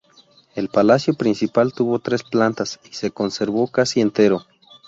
El palacio principal tuvo tres plantas y se conservó casi entero.